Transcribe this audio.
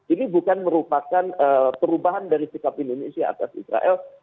ini bukan merupakan perubahan dari sikap indonesia atas israel